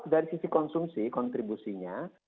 dari sisi konsumsi kontribusinya